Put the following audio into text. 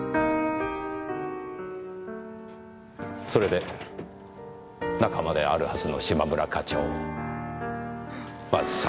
それで仲間であるはずの嶋村課長をまず殺害した。